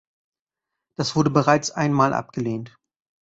Das wurde bereits ein Mal abgelehnt.